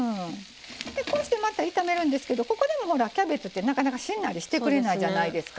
また炒めるんですけどここでもキャベツってなかなか、しんなりしてくれないじゃないですか。